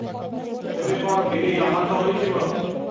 ତେବେ କଣ ବୀରେଇ ଅନାଥ ହୋଇଯିବ?